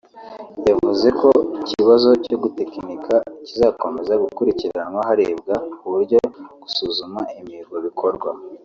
yavuze ko ikibazo cyo ‘gutekinika’ kizakomeza gukurikiranwa harebwa uburyo gusuzuma imihigo bikorwa